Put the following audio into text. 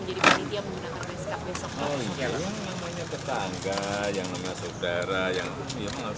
oh iya yang namanya tetangga yang namanya saudara yang apa nggak semua itu dilibatkan